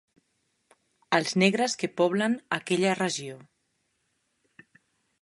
Els negres que poblen aquella regió.